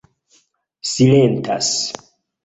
silentas